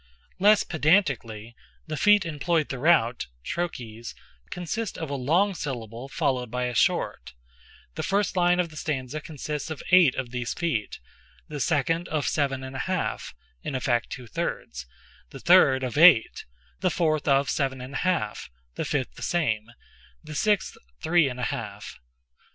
Less pedantically—the feet employed throughout (trochees) consist of a long syllable followed by a short: the first line of the stanza consists of eight of these feet—the second of seven and a half (in effect two thirds)—the third of eight—the fourth of seven and a half—the fifth the same—the sixth three and a half.